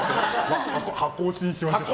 箱推しにしましょうか。